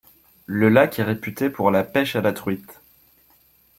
Le lac est réputé pour la pêche à la truite.